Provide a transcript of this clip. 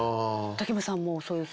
武部さんもそういう姿？